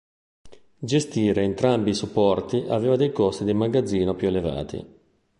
Gestire entrambi i supporti aveva dei costi di magazzino più elevati.